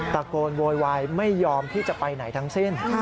ตะโกนโวยวายไม่ยอมที่จะไปไหนทั้งสิ้น